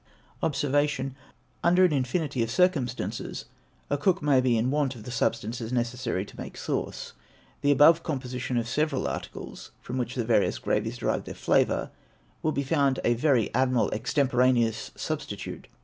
Obs. Under an infinity of circumstances, a cook may be in want of the substances necessary to make sauce; the above composition of the several articles from which the various gravies derive their flavor, will be found a very admirable extemporaneous substitute.